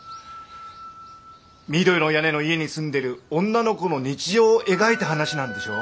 緑の屋根の家に住んでる女の子の日常を描いた話なんでしょう？